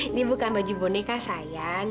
ini bukan baju boneka sayang